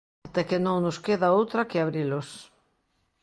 Até que non nos queda outra que abrilos.